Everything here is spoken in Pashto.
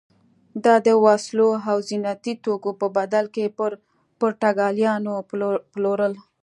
دا د وسلو او زینتي توکو په بدل کې پر پرتګالیانو پلورل.